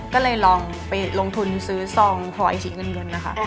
ก็เลยลองไปลงทุนซื้อซองห่อไอสีเงินนะคะ